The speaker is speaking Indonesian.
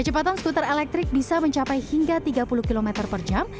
kecepatan skuter elektrik bisa mencapai hingga tiga puluh km per jam